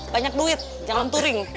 banyak duit jangan touring